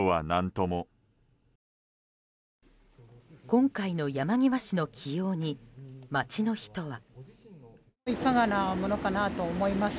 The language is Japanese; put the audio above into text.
今回の山際氏の起用に街の人は。